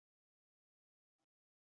阿莱斯站。